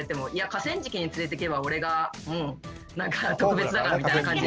河川敷に連れていけば俺がもう特別だからみたいな感じ。